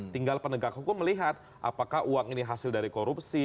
tinggal penegak hukum melihat apakah uang ini hasil dari korupsi